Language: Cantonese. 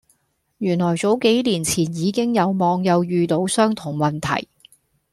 原來早幾年前已經有網友遇到相同問題